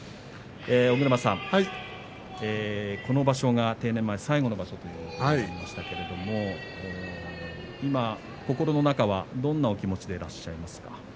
尾車さん、この場所が定年前最後の場所ということになりましたけれども今、心の中はどんなお気持ちでいらっしゃいますか。